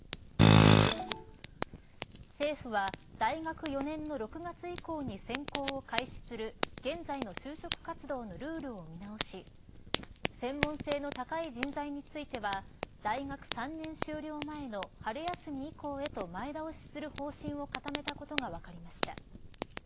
政府は大学４年の６月以降に選考を開始する現在の就職活動のルールを見直し専門性の高い人材については大学３年終了前の春休み以降へと前倒しする方針を固めたことが分かりました。